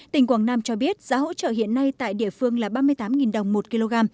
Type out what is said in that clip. tỉnh quảng nam cho biết giá hỗ trợ hiện nay tại địa phương là ba mươi tám đồng một kg